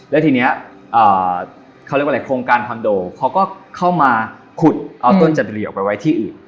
แล้วทีนี้เขาเรียกว่าอะไรโครงการคอนโดเขาก็เข้ามาขุดเอาต้นจัดเหลี่ยวไปไว้ที่อื่น